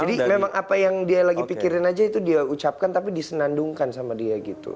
jadi memang apa yang dia lagi pikirin aja itu dia ucapkan tapi disenandungkan sama dia gitu